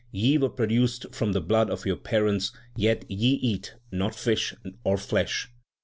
Ye were produced from the blood of your parents, yet ye eat not fish or flesh.